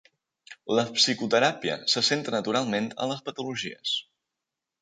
La psicoteràpia se centra naturalment a les patologies.